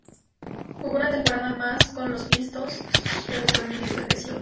Jugó una temporada más con los Pistons, pero su rendimiento decreció.